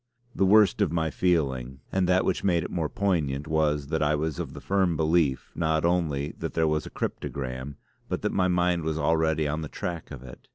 The worst of my feeling, and that which made it more poignant, was that I was of the firm belief not only that there was a cryptogram but that my mind was already on the track of it.